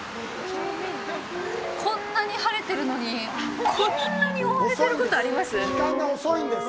こんなに晴れてるのにこんなに覆われてること、あります！？